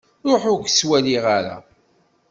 Ruḥ ur-k ttwaliɣ ara!